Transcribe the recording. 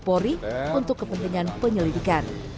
sampel dikasih polri untuk kepentingan penyelidikan